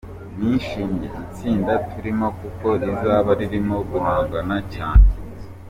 Nishimiye itsinda turimo kuko rizaba ririmo guhangana cyane.